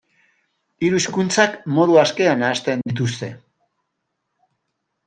Hiru hizkuntzak modu askean nahasten dituzte.